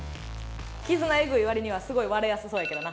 絆えぐい割にはすごい割れやすそうやけどな。